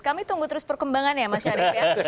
kami tunggu terus perkembangan ya mas syarif ya